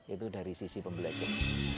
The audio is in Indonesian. itu dari sisi pembelajar